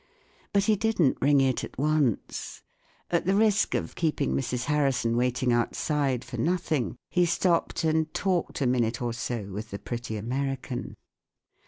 But he didn't ring it at once ; at the risk of keeping Mrs. Harrison waiting outside for nothing, he stopped and talked a minute or so with the pretty American.